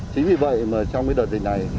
chính vì vậy trong đợt đình này